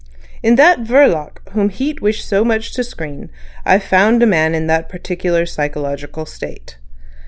In that Verloc whom Heat wished so much to screen I've found a man in that particular psychological state.